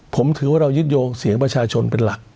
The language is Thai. ผมถือว่าเรายึดโยงเสียงประชาชนเป็นหลัก